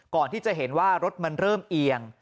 ก่อนที่จะเห็นว่ารถมันเริ่มเอียง